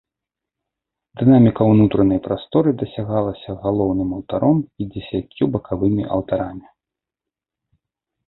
Дынаміка ўнутранай прасторы дасягалася галоўным алтаром і дзесяццю бакавымі алтарамі.